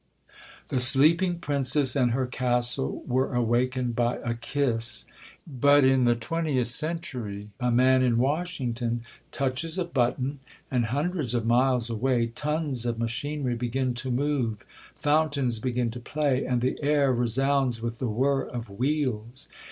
The sleeping princess and her castle were awakened by a kiss; but in the twentieth century a man in Washington touches a button, and hundreds of miles away tons of machinery begin to move, fountains begin to play, and the air resounds with the whir of wheels.